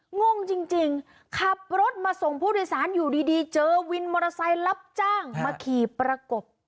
งงจริงขับรถมาส่งผู้โดยสารอยู่ดีเจอวินมอเตอร์ไซค์รับจ้างมาขี่ประกบ